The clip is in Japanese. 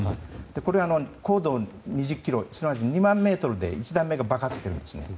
これは、高度２０ｋｍすなわち２万ｍで１段目が爆発してるんです。